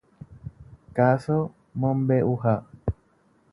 Káso mombeʼuha.